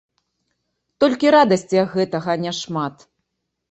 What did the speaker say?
Толькі радасці ад гэтага няшмат.